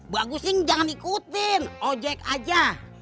bagusing jangan ikutin ojek aja